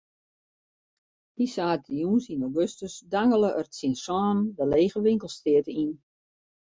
Dy saterdeitejûns yn augustus dangele er tsjin sânen de lege winkelstrjitte yn.